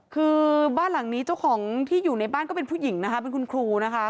คือบ้านหลังนี้เจ้าของที่อยู่ในบ้านก็เป็นผู้หญิงนะคะเป็นคุณครูนะคะ